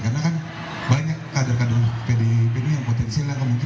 karena kan banyak kader lainnya yang diambil oleh pdip ini ya pak ya